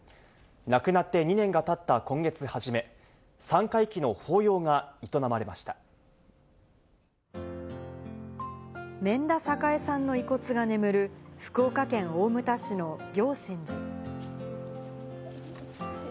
亡くなって２年がたった今月初め、三回忌の法要が営まれまし免田栄さんの遺骨が眠る、福岡県大牟田市の行信寺。